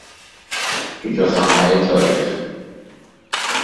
پیچ و خمهای تاریخ